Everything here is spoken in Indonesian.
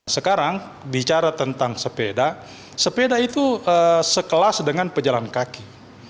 sekarang bicara tentang sepeda sepeda itu sekelas dengan pejalan kaki